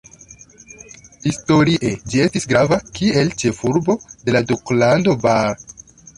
Historie ĝi estis grava kiel ĉefurbo de la duklando Bar.